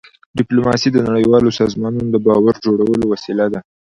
ډيپلوماسي د نړیوالو سازمانونو د باور جوړولو وسیله ده.